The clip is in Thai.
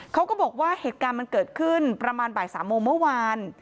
เขาก็บอกว่าเหตุการณ์มันเกิดขึ้นประมาณบ่าย๓โมงเมื่อวาน